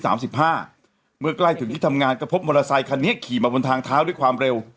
เมื่อใกล้ถึงที่ทำงานก็พบมอเตอร์ไซคันนี้ขี่มาบนทางเท้าด้วยความเร็ว